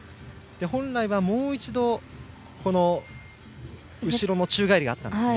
本来もう一度後ろの宙返りがあったんですね。